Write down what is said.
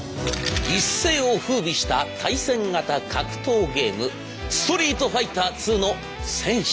一世をふうびした対戦型格闘ゲーム「ストリートファイターⅡ」の戦士たち。